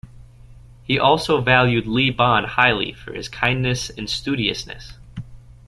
He also valued Li Ban highly for his kindness and studiousness.